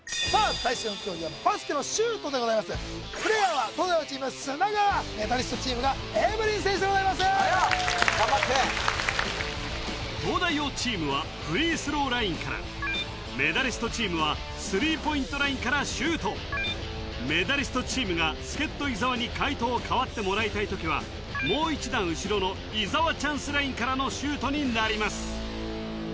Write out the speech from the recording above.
最初の競技はバスケのシュートでございますプレイヤーは東大王チーム砂川メダリストチームがエブリン選手でございます頑張って東大王チームはフリースローラインからメダリストチームはスリーポイントラインからシュートメダリストチームが助っ人伊沢に解答を代わってもらいたい時はもう一段後ろの伊沢チャンスラインからのシュートになります